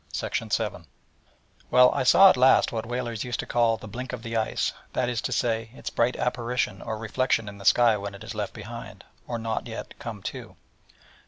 Well, I saw at last what whalers used to call 'the blink of the ice'; that is to say, its bright apparition or reflection in the sky when it is left behind, or not yet come to.